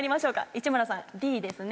市村さんＤですね。